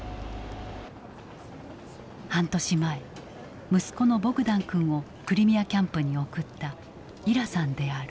半年前息子のボグダン君をクリミアキャンプに送ったイラさんである。